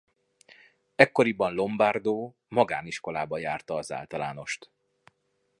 Ekkoriban Lombardo magániskolába járta az általánost.